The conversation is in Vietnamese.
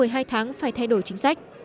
hai tháng phải thay đổi chính sách